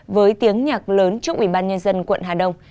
với tiếng nhạc lớn trước ubnd quận hà đông